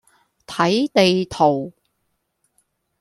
睇地圖